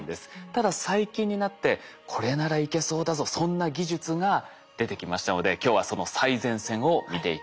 ただ最近になってこれならいけそうだぞそんな技術が出てきましたので今日はその最前線を見ていきます。